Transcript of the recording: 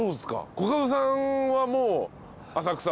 コカドさんはもう浅草は。